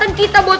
ini kita lihat